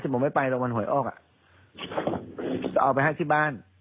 ฉันบอกไม่ไปแล้วมันหอยออกอะจะเอาไปให้ที่บ้าน